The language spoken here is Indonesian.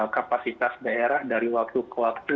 kapasitas daerah dari waktu ke waktu